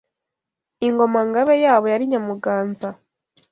Ingoma–Ngabe yabo yari “Nyamuganza”